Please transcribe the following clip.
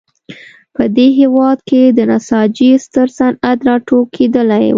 په دې هېواد کې د نساجۍ ستر صنعت راټوکېدلی و.